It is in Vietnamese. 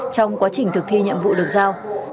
trong quá trình thực thi nhiệm vụ được giao